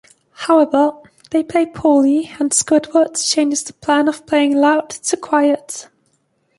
However, they play poorly, and Squidward changes the plan of playing loud to quiet.